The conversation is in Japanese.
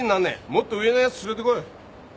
もっと上のやつ連れてこい。